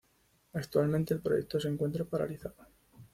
Actualmente el proyecto se encuentra paralizado.